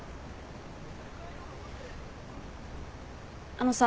あのさ。